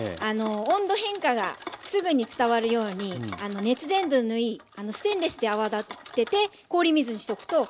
温度変化がすぐに伝わるように熱伝導のいいステンレスで泡立てて氷水にしとくとだれにくい。